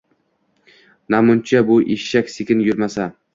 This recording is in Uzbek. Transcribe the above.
Namuncha bu eshak sekin yurmasa?